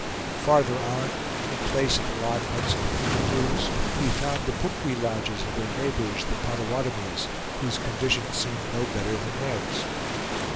Farther on, in place of the log huts of the Kickapoos, we found the pukwi lodges of their neighbors, the Pottawattamies, whose condition seemed no better than theirs.